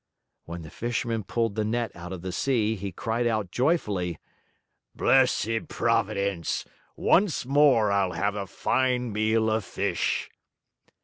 When the Fisherman pulled the net out of the sea, he cried out joyfully: "Blessed Providence! Once more I'll have a fine meal of fish!"